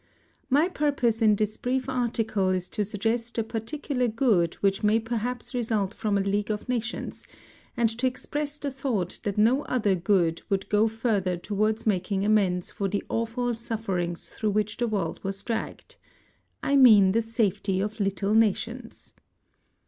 My purpose in this brief article is to suggest a particular good which may perhaps result from a League of Nations, and to express the thought that no other good would go further towards making amends for the awful sufferings through which the world was dragged. I mean the safety of little nations.